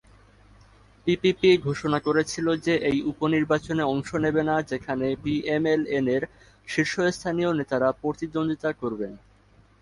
PPP ঘোষণা করেছিল যে এই উপনির্বাচনে অংশ নেবে না যেখানে পিএমএল-এনের শীর্ষস্থানীয় নেতারা প্রতিদ্বন্দ্বিতা করবেন।